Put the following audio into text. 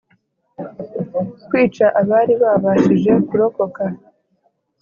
Kwica abari babashije kurokoka